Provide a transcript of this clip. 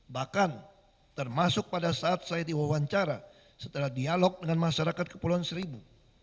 bahkan termasuk pada saat saya diwawancara setelah dialog dengan masyarakat kepulauan seribu